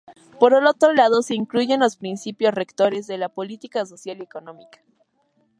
Por otro lado se incluyen los principios rectores de la política social y económica.